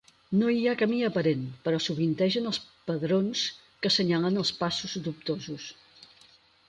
No hi ha camí aparent, però sovintegen els pedrons que senyalen els passos dubtosos.